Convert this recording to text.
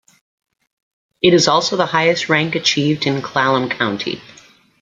It is also the highest rank achieved in Clallam County.